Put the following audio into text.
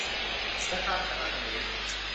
เชิญตามฉันมาทางนี้